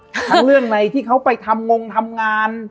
ทั้งเรื่องในที่เขาไปทำงงทำงาน